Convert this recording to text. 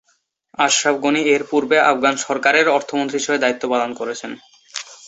আশরাফ গণি এর পূর্বে আফগান সরকারের অর্থমন্ত্রী হিসেবে দায়িত্ব পালন করেছেন।